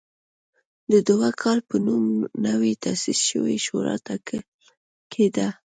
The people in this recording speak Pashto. د دوکال په نوم نوې تاسیس شوې شورا ټاکل کېده.